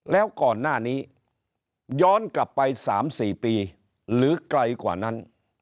แล้วก่อนหน้านี้ย้อนกลับไป๓๔ปีหรือไกลกว่านั้น